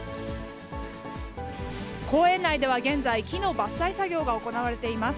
公園内では現在、木の伐採作業が行われています。